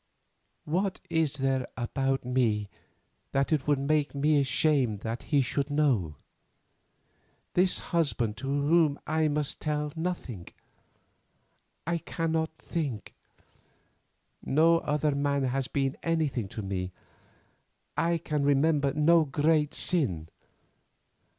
"What is there about me that it would make me ashamed that he should know; this husband to whom I must tell nothing? I cannot think. No other man has been anything to me. I can remember no great sin.